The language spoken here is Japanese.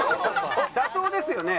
「打倒」ですよね？